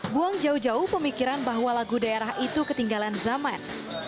buang jauh jauh pemikiran bahwa lagu daerah itu ketinggalan zaman